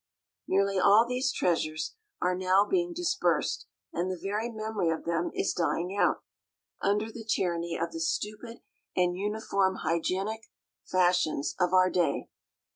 Nearly all these treasures are now being dispersed, and the very memory of them is dying out, under the tyranny of the stupid and uniform "hygienic" fashions of our day.